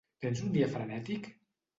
Tens un dia frenètic?